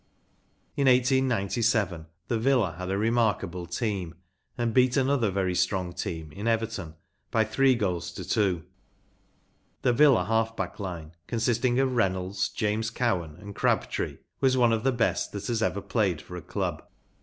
Ici 1897 the Villa had a remarkable team and heat another very strong team in Kverton by three goals to two. T he Villa half back line, consisting of Reynolds, James Cowan, and Crabtree, was one of the best that has ever played for a club.